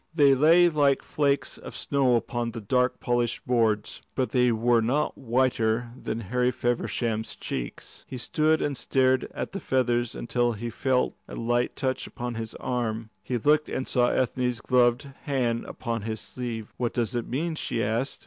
They lay like flakes of snow upon the dark polished boards. But they were not whiter than Harry Feversham's cheeks. He stood and stared at the feathers until he felt a light touch upon his arm. He looked and saw Ethne's gloved hand upon his sleeve. "What does it mean?" she asked.